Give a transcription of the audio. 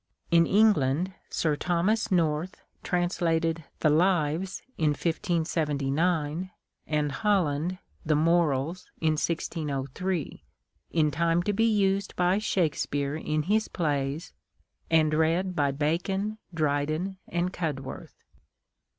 In England, Sir Thomas North translated the " Lives" in 1579, and Holland the " Morals " in 1603, in time to be used by Shak speare in his plays, and read by Bacon, Dryden, and Cudworth.